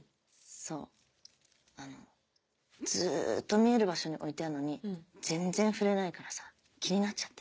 そうずっと見える場所に置いてあるのに全然触れないからさ気になっちゃって。